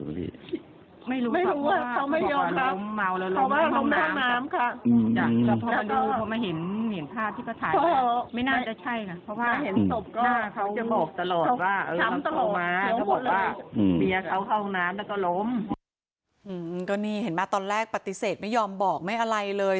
นี่เห็นไหมตอนแรกปฏิเสธไม่ยอมบอกไม่อะไรเลย